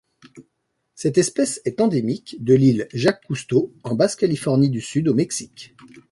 Cette espèce est endémique de l'île Jacques Cousteau en Basse-Californie du Sud au Mexique.